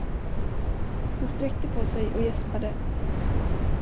Hon sträckte på sig och gäspade.